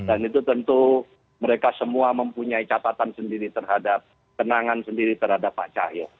dan itu tentu mereka semua mempunyai catatan sendiri terhadap kenangan sendiri terhadap pak cahyok